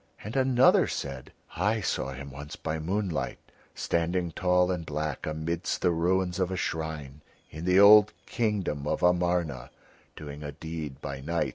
And another said: "I saw him once by moonlight standing tall and black amidst the ruins of a shrine in the old kingdom of Amarna, doing a deed by night.